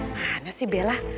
mana sih bella